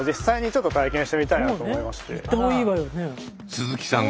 鈴木さん